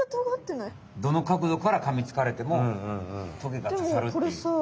どのかくどからかみつかれてもトゲがささるっていう。